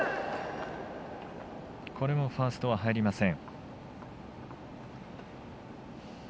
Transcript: これもファーストは入りません。